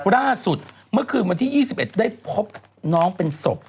ล่าสุดเมื่อคืนวันที่๒๑ได้พบน้องเป็นศพ